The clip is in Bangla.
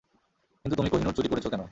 কিন্তু তুমি কোহিনূর চুরি করেছো কেন?